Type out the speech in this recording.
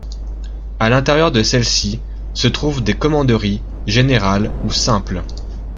À l'intérieur de celles-ci, se trouvent des commanderies, générales ou simples.